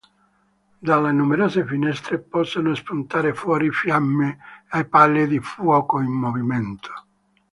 Dalle numerose finestre possono spuntare fuori fiamme e palle di fuoco in movimento.